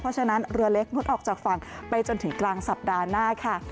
เพราะฉะนั้นเรือเล็กงดออกจากฝั่งไปจนถึงกลางสัปดาห์หน้าค่ะ